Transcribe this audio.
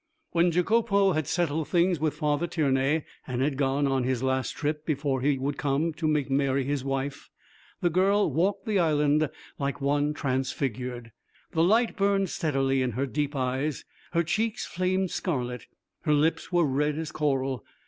When Jacopo had settled things with Father Tiernay and had gone on his last trip before he should come to make Mary his wife, the girl walked the Island like one transfigured. The light burned steadily in her deep eyes, her cheeks flamed scarlet, her lips were red as coral.